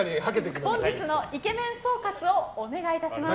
本日のイケメン総括をお願いいたします。